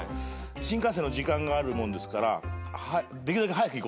新幹線の時間があるもんですからできるだけ早く行こうと。